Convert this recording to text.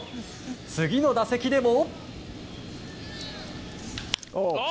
次の打席でも。